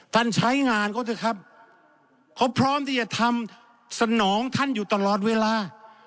ใช้งานเขาเถอะครับเขาพร้อมที่จะทำสนองท่านอยู่ตลอดเวลา